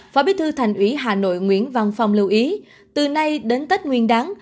phó bí thư thành ủy hà nội nguyễn văn phong lưu ý từ nay đến tết nguyên đáng